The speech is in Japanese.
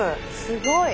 すごい！